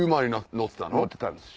乗ってたんです。